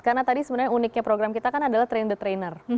karena tadi sebenarnya uniknya program kita kan adalah train the trainer